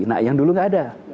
nah yang dulu nggak ada